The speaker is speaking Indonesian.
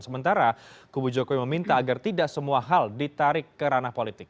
sementara kubu jokowi meminta agar tidak semua hal ditarik ke ranah politik